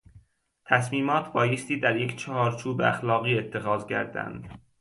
تصمیمات بایستی در یک چارچوب اخلاقی اتخاذ گردند.